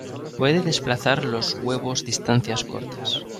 Puede desplazar los huevos distancias cortas.